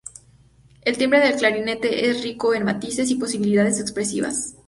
El timbre del clarinete es rico en matices y posibilidades expresivas.